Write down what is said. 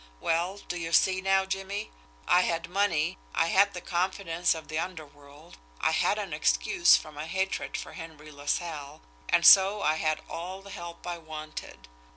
Well do you see now, Jimmie? I had money, I had the confidence of the underworld, I had an excuse for my hatred of Henry LaSalle, and so I had all the help I wanted.